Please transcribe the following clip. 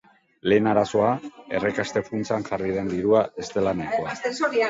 Lehen arazoa, erreskate funtsan jarri den dirua ez dela nahikoa.